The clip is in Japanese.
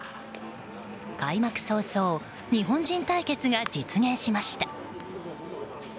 開幕早々日本人対決が実現しました。